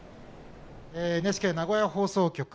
ＮＨＫ名古屋放送局